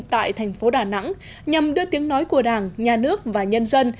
tại thành phố đà nẵng nhằm đưa tiếng nói của đảng nhà nước và nhân dân